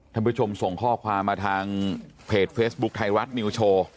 ท่านผู้ชมส่งข้อความมาทางเพจเฟซบุ๊คไทยรัฐนิวโชว์